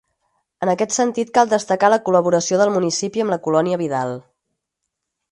En aquest sentit cal destacar la col·laboració del municipi amb la Colònia Vidal.